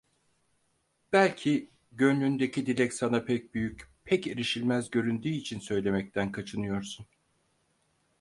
Belki gönlündeki dilek sana pek büyük, pek erişilmez göründüğü için söylemekten kaçınıyorsun.